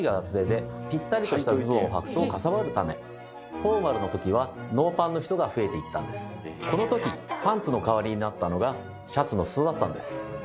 フォーマルのときはこのときパンツの代わりになったのがシャツの裾だったんです。